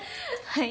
はい。